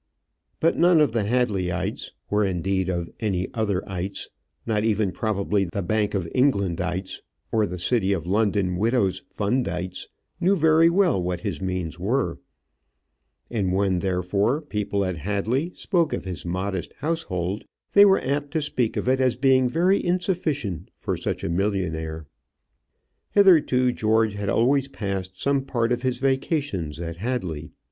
But none of the Hadleyites, or, indeed, any other ites not even, probably, the Bank of Englandites, or the City of London Widows' Fundites knew very well what his means were; and when, therefore, people at Hadley spoke of his modest household, they were apt to speak of it as being very insufficient for such a millionaire. Hitherto George had always passed some part of his vacations at Hadley.